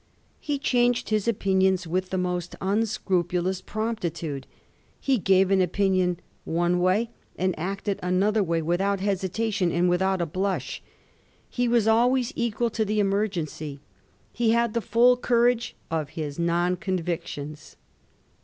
He changed his opinions with the most imscrupulou& promptitude ; he gave an opinion one way and acted another way without hesitation, and without a blush. He was always equal to the emergency ; he had the full courage of his non convictions.